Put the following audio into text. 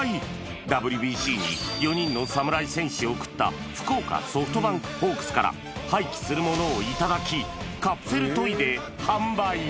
ＷＢＣに４人の侍戦士を送った福岡ソフトバンクホークスから廃棄するものを頂き、カプセルトイで販売。